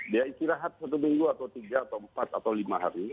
dia istirahat satu minggu atau tiga atau empat atau lima hari